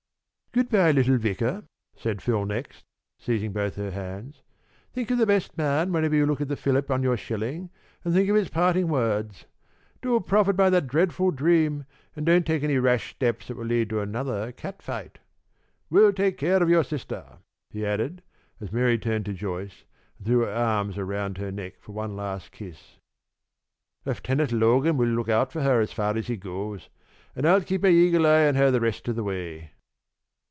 "Good by, little Vicar," said Phil next, seizing both her hands. "Think of the Best Man whenever you look at the Philip on your shilling, and think of his parting words. Do profit by that dreadful dream, and don't take any rash steps that would lead to another cat fight. We'll take care of your sister," he added, as Mary turned to Joyce and threw her arms around her neck for one last kiss. "Lieutenant Logan will watch out for her as far as he goes, and I'll keep my eagle eye on her the rest of the way."